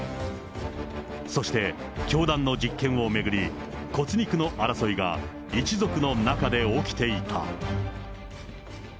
そして、教団の実権を巡り、骨肉の争いが一族の中で起きていた。